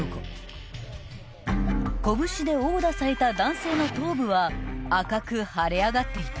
［拳で殴打された男性の頭部は赤く腫れ上がっていた］